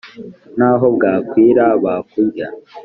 N'aho bwakwira bakurya!"